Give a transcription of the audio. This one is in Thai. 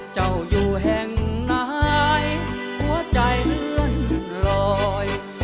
เจ้าอยู่แห่งไหนหัวใจเลื่อนลอย